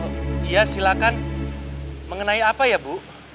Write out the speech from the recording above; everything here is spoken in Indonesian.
bapak mau bicarakan mengenai apa ya bu